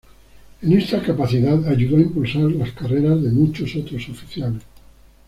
En esta capacidad, ayudó a impulsar las carreras de muchos otros oficiales.